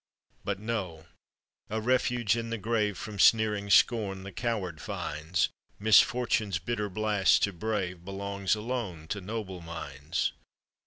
"But no! a refuge in the grave From sneering scorn the coward finds; Misfortune's bitter blast to brave Belongs alone to noble minds.